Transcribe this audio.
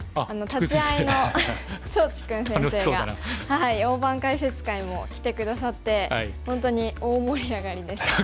立会いの趙治勲先生が大盤解説会も来て下さって本当に大盛り上がりでした。